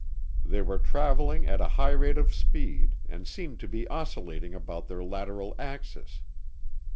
They were traveling at a high rate of speed and seemed to be oscillating about their lateral axis.